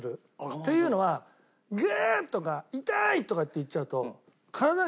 っていうのは「グーッ！」とか「痛い！」とかって言っちゃうと。